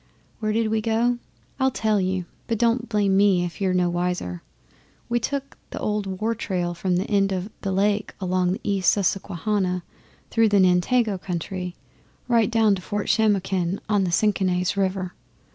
Where did we go? I'll tell you, but don't blame me if you're no wiser. We took the old war trail from the end of the Lake along the East Susquehanna through the Nantego country, right down to Fort Shamokin on the Senachse river.